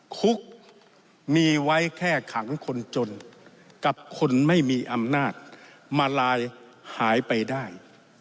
คุกมีไว้แค่ขังคนจนกับคนไม่มีอำนาจมาลายหายไปได้